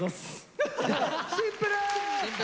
シンプル！